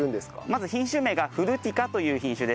まず品種名がフルティカという品種です。